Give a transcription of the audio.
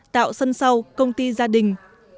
tạo sân sâu công ty gia đình